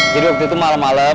jadi waktu itu malem malem